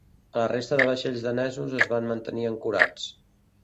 La resta de vaixells danesos es van mantenir ancorats.